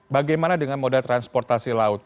bagaimana dengan moda transportasi laut